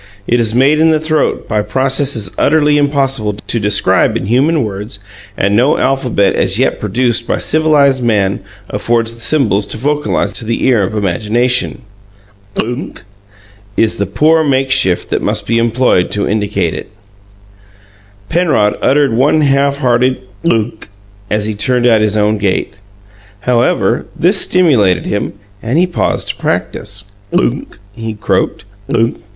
It is made in the throat by processes utterly impossible to describe in human words, and no alphabet as yet produced by civilized man affords the symbols to vocalize it to the ear of imagination. "Gunk" is the poor makeshift that must be employed to indicate it. Penrod uttered one half hearted "Gunk" as he turned in at his own gate. However, this stimulated him, and he paused to practice. "Gunk!" he croaked.